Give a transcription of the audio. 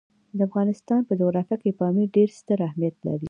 د افغانستان په جغرافیه کې پامیر ډېر ستر اهمیت لري.